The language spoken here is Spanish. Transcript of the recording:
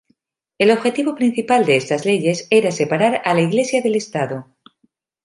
El objetivo principal de estas leyes era separar a la Iglesia del Estado.